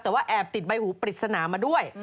แต่ว่าแอบติดใบหูปริศนามาด้วย